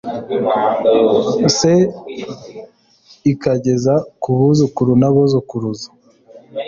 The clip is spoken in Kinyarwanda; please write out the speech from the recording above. se ikageza ku buzukuru n abuzukuruza